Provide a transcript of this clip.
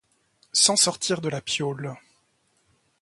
… sans sortir de la piaule…